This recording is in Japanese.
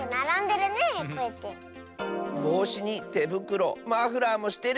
ぼうしにてぶくろマフラーもしてる！